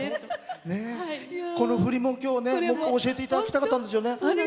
この振りも教えていただきたかったんですよね。